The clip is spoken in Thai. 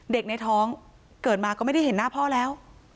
ในท้องเกิดมาก็ไม่ได้เห็นหน้าพ่อแล้ว